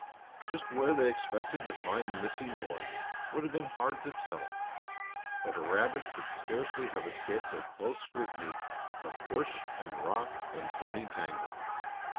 Just where they expected to find the missing boy would have been hard to tell, but a rabbit could scarcely have escaped their close scrutiny of bush and rock and thorny tangle.